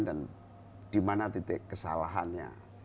dan di mana titik kesalahannya